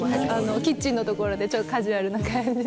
キッチンの所でカジュアルな感じで。